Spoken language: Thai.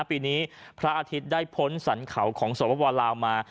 ปีนี้พระอาทิตย์ได้พ้นสรรเขาของสวลาวมา